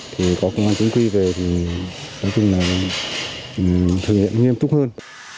thì có công an chính quy về thì nói chung là thử nghiệm nghiêm túc hơn